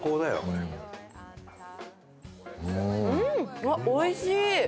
うわっおいしい！